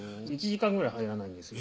１時間ぐらい入らないんです